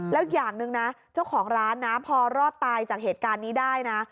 แล้วอย่างหนึ่งนะเจ้าของร้านนะพอรอดตายจากเหตุการณ์นี้ได้นะ